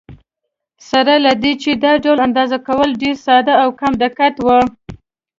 سره له دې چې دا ډول اندازه کول ډېر ساده او کم دقت و.